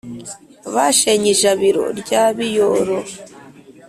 bashenye ijabiro rya biyoro,